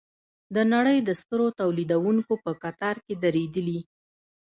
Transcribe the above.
د نړۍ د سترو تولیدوونکو په کتار کې دریدلي.